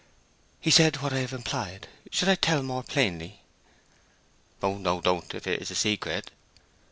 "He said—what I have implied. Should I tell more plainly?" "Oh no—don't, if it is a secret."